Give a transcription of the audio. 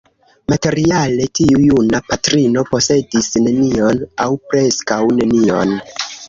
Materiale tiu juna patrino posedis nenion, aŭ preskaŭ nenion.